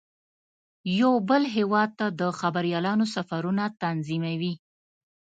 یو بل هیواد ته د خبریالانو سفرونه تنظیموي.